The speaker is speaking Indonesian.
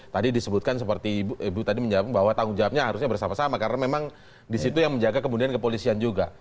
tadi disebutkan seperti ibu tadi menjawab bahwa tanggung jawabnya harusnya bersama sama karena memang disitu yang menjaga kemudian kepolisian juga